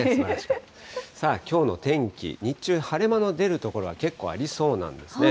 きょうの天気、日中、晴れ間の出る所は結構ありそうなんですね。